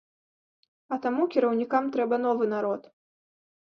А таму кіраўнікам трэба новы народ.